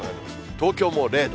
東京も０度。